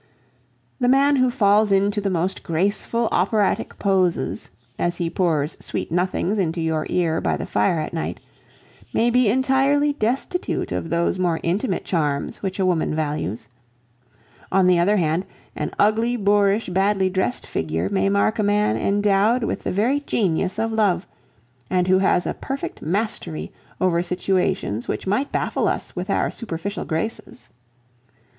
The man who falls into the most graceful operatic poses, as he pours sweet nothings into your ear by the fire at night, may be entirely destitute of those more intimate charms which a woman values. On the other hand, an ugly, boorish, badly dressed figure may mark a man endowed with the very genius of love, and who has a perfect mastery over situations which might baffle us with our superficial graces.